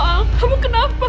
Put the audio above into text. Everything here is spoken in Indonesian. ya allah kamu kenapa